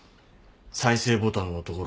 再生ボタンのところにも。